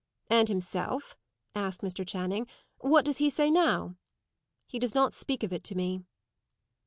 "And himself?" asked Mr. Channing. "What does he say now?" "He does not speak of it to me."